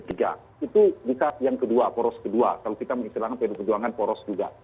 itu bisa yang kedua poros kedua kalau kita mengistilangkan pd perjuangan poros juga